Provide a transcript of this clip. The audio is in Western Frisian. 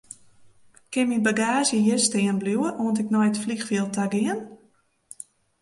Kin myn bagaazje hjir stean bliuwe oant ik nei it fleanfjild ta gean?